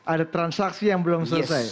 ada transaksi yang belum selesai